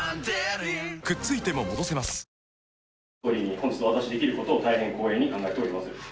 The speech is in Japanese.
本日お渡しできることを大変光栄に考えております。